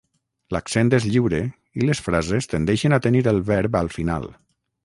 L'accent és lliure i les frases tendeixen a tenir el verb al final.